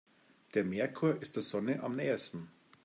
Der Merkur ist der Sonne am nähesten.